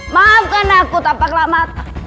maafkan aku tak paklamata